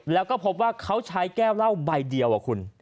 แล้วก็พบว่าเขาใช้แก้วเหล้าใบเดียวคุณ